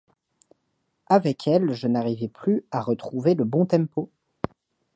Avec elle, je n'arrivais plus à retrouver le bon tempo.